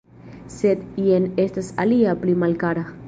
Sed jen estas alia pli malkara.